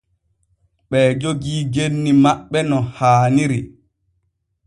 Ɓee jogii genni maɓɓe no haaniri.